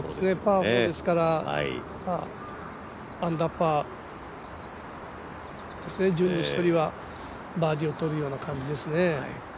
パー４ですから、アンダーパーですね、１０人に１人はバーディーを取るような感じですね。